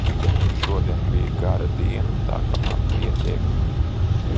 Šodien bija gara diena, tā ka man pietiek!